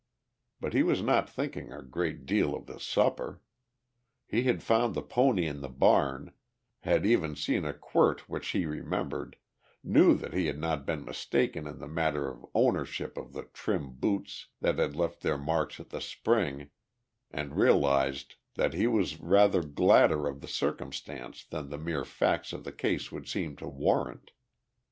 But he was not thinking a great deal of the supper. He had found the pony in the barn, had even seen a quirt which he remembered, knew that he had not been mistaken in the matter of ownership of the trim boots that had left their marks at the spring, and realized that he was rather gladder of the circumstance than the mere facts of the case would seem to warrant.